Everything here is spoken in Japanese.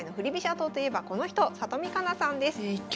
党といえばこの人里見香奈さんです。